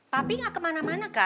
papi enggak kemana mana kan